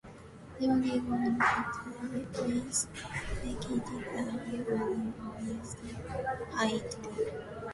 The only burn that replicated the "Hindenburg" burn used hydrogen.